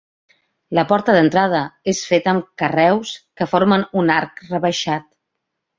La porta d'entrada és feta amb carreus que formen un arc rebaixat.